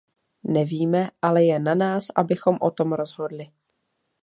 Nevíme, ale je na nás, abychom o tom rozhodli.